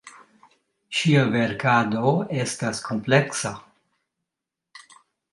Ŝia verkado estas kompleksa.